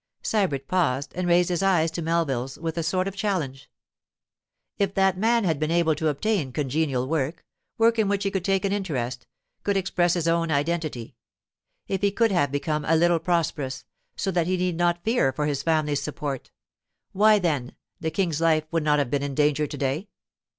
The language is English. Sybert paused and raised his eyes to Melville's with a sort of challenge. 'If that man had been able to obtain congenial work—work in which he could take an interest, could express his own identity; if he could have become a little prosperous, so that he need not fear for his family's support; why, then—the King's life would not have been in danger to day.